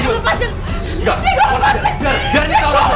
gimana jadi gue ya